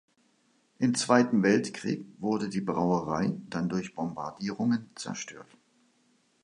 Im Zweiten Weltkrieg wurde die Brauerei dann durch Bombardierungen zerstört.